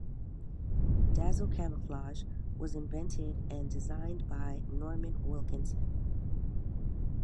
Dazzle camouflage was invented and designed by Norman Wilkinson.